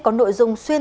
có nội dung xuyên truyền